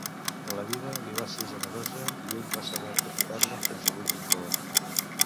La vida li va ser generosa i ell va saber aprofitar-la fins a l'últim glop.